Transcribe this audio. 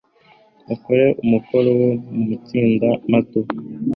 Mukore umukoro mu matsinda mato